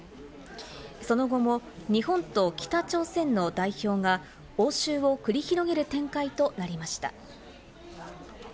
その後も日本と北朝鮮の代表が応酬を繰り広げる展開となりました。